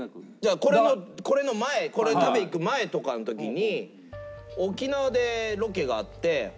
これのこれの前これ食べに行く前とかの時に沖縄でロケがあって。